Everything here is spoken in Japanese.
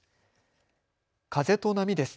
風と波です。